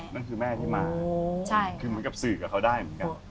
นั่นคือแม่ที่มาคือเหมือนกับสื่อกับเขาได้เหมือนกัน